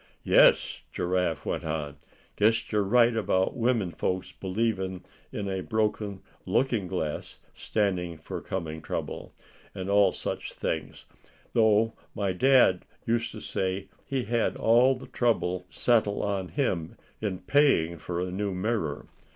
"Yes," Giraffe went on, "guess you're right about women folks believin' in a broken looking glass standing for coming trouble, and all such things; though my dad used to say he had all the trouble settle on him in paying for a new mirror.